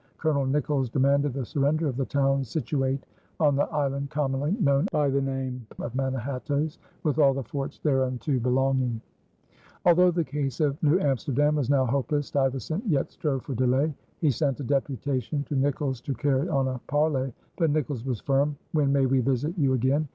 Colonel Nicolls demanded the surrender of the "towns situate on the island commonly known by the name of Manhattoes, with all the forts thereunto belonging." Although the case of New Amsterdam was now hopeless, Stuyvesant yet strove for delay. He sent a deputation to Nicolls to carry on a parley; but Nicolls was firm. "When may we visit you again?"